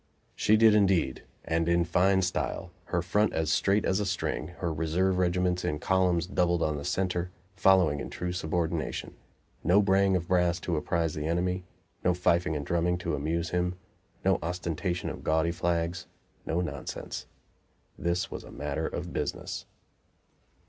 She did indeed, and in fine style, her front as straight as a string, her reserve regiments in columns doubled on the center, following in true subordination; no braying of brass to apprise the enemy, no fifing and drumming to amuse him; no ostentation of gaudy flags; no nonsense. This was a matter of business.